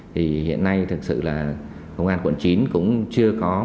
thì hiện nay thực sự là công an quận chín cũng chưa có